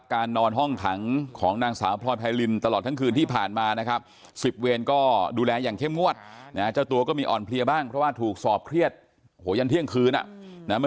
พี่ว่าเชื่อมโยงนี่คือเป็นการเชื่อมโยงในหลักสดังหรือเปล่า